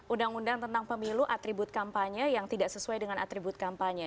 undang undang tentang pemilu atribut kampanye yang tidak sesuai dengan atribut kampanye